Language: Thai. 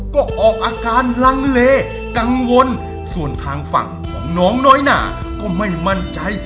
ก็ออกอาการลังเลกังวลส่วนทางฝั่งของน้องน้อยหนาก็ไม่มั่นใจ